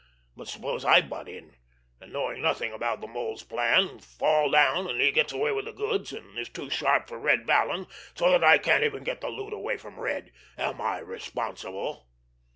But suppose I butt in, and, knowing nothing about the Mole's plans, fall down, and he gets away with the goods, and is too sharp for Red Vallon so that I can't even get the loot away from Red—am I responsible?"